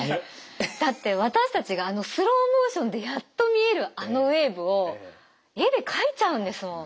だって私たちがあのスローモーションでやっと見えるあのウエーブを絵で描いちゃうんですもん。